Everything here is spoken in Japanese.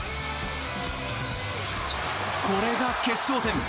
これが決勝点。